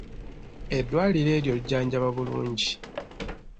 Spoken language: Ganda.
Eddwaliro eryo lijjanjaba bulungi.